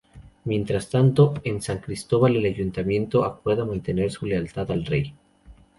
Mientras tanto, en San Cristóbal el Ayuntamiento acuerda mantener su lealtad al Rey.